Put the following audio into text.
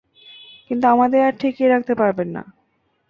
কিন্তু আমাদের আর ঠেকিয়ে রাখতে পারবেন না।